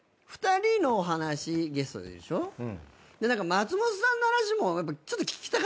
松本さんの話もちょっと聞きたかったりするんですよ。